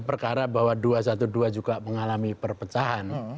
perkara bahwa dua ratus dua belas juga mengalami perpecahan